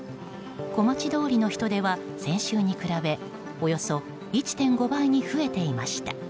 小町通りの人出は先週に比べおよそ１．５倍に増えていました。